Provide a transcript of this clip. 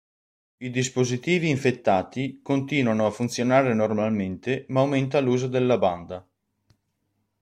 I dispositivi infettati continuano a funzionare normalmente ma aumenta l’uso della banda.